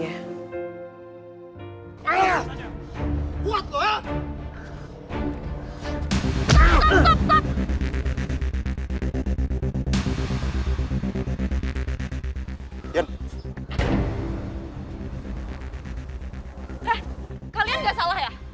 eh kalian gak salah ya